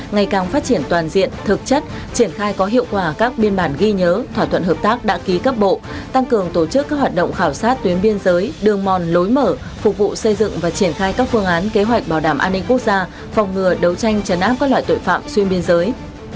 ngày càng phát triển toàn diện thực chất triển khai có hiệu quả các biên bản ghi nhớ thỏa thuận hợp tác đã ký cấp bộ tăng cường tổ chức các hoạt động khảo sát tuyến biên giới đường mòn lối mở phục vụ xây dựng và triển khai các phương án kế hoạch bảo đảm an ninh quốc gia phòng ngừa đấu tranh chấn áp các loại tội phạm xuyên biên giới